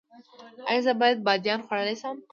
ایا زه بادیان خوړلی شم؟